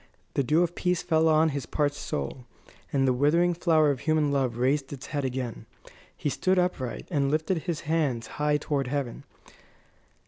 The dew of peace fell on his parched soul, and the withering flower of human love raised its head again. He stood upright, and lifted his hands high toward heaven.